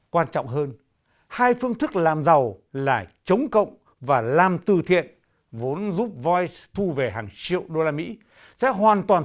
quan trọng hơn hai phương thức làm giàu là chống cộng và làm tư thiện vốn giúp voice thu về hàng triệu đô la mỹ sẽ hoàn toàn sụp đổ